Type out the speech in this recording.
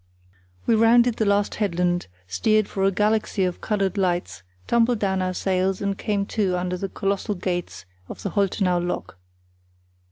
We rounded the last headland, steered for a galaxy of coloured lights, tumbled down our sails, and came to under the colossal gates of the Holtenau lock.